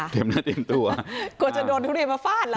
เตรียมหน้าเตรียมตัวกลัวจะโดนทุเรียนมาฟาดละค่ะ